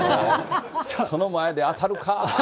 その前で当たるか？